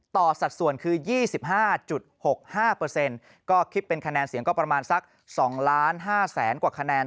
สัดส่วนคือ๒๕๖๕ก็คิดเป็นคะแนนเสียงก็ประมาณสัก๒๕๐๐๐กว่าคะแนน